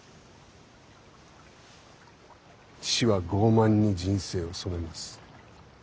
死は傲慢に人生を染めます。